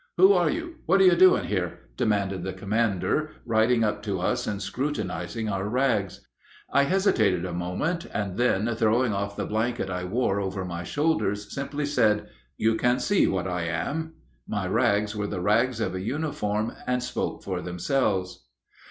"Who are you? What are you doing here?" demanded the commander, riding up to us and scrutinizing our rags. I hesitated a moment, and then, throwing off the blanket I wore over my shoulders, simply said, "You can see what I am." My rags were the rags of a uniform, and spoke for themselves.